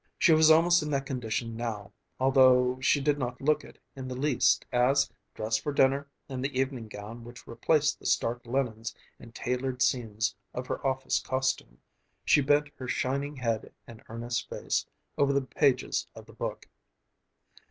She was almost in that condition now although she did not look it in the least as, dressed for dinner in the evening gown which replaced the stark linens and tailored seams of her office costume, she bent her shining head and earnest face over the pages of the book.